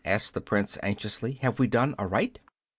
asked the Prince, anxiously, "have we done aright?"